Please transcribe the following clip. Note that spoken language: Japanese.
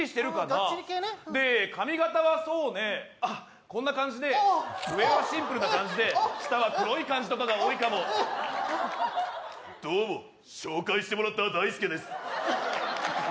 がっちり系ねで髪形はそうねあっこんな感じで上はシンプルな感じで下は黒い感じとかが多いかもどうも紹介してもらったダイスケです